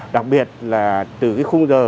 đặc biệt là từ khung giờ